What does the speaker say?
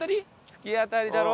突き当たりだろ？